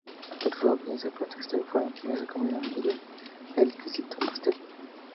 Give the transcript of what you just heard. Pero su audiencia protestó y fueron quienes se comieron ellos el exquisito pastel.